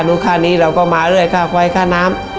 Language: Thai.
ลูกค้านี้เราก็มาด้วยค่าไฟค่าน้ำ